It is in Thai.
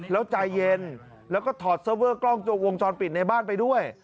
แล้วใจเย็นแล้วก็ถอดเซิร์เวอร์กล้องวงจรปิดในบ้านไปด้วย